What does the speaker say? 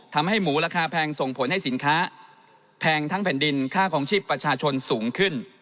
ทำให้หมูราคาแพงส่งผลให้สินค้าแพงทั้งแผ่นดินค่าคลองชีพประชาชนสูงขึ้น